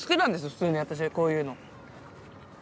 普通に私こういうの。